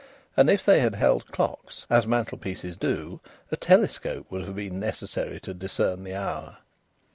And if they had held clocks, as mantelpieces do, a telescope would have been necessary to discern the hour.